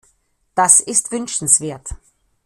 Das ist wünschenswert.